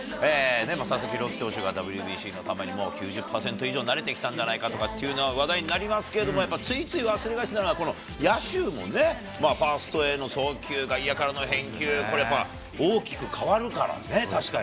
佐々木朗希投手がＷＢＣの球にもう９０％以上慣れてきたんじゃないかというのは話題になりますけれども、やっぱりついつい忘れがちなのが、この野手のね、ファーストへの送球、外野からの返球、これまあ、大きく変わるからね、確かに。